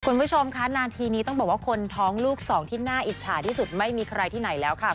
คุณผู้ชมค่ะนาทีนี้ต้องบอกว่าคนท้องลูกสองที่น่าอิจฉาที่สุดไม่มีใครที่ไหนแล้วค่ะ